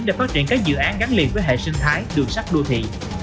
hồ chí minh đã phát triển các dự án gắn liền với hệ sinh thái đường sắc đô thị